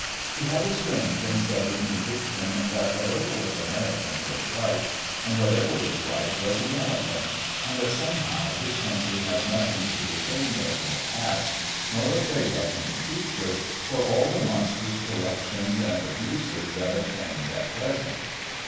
He had a strange and stubborn conviction that whatever was American was right and whatever was right was American, and that somehow his country had nothing to be ashamed of in the past, nor afraid of in the future, for all the monstrous corruptions and abuses that obtained at present.